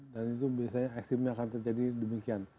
dan itu biasanya ekstrimnya akan terjadi demikian